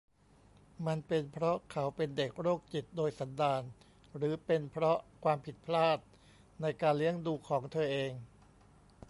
มันเป็นเพราะเขาเป็นเด็กโรคจิตโดยสันดาน หรือเป็นเพราะความผิดพลาดในการเลี้ยงดูของเธอเอง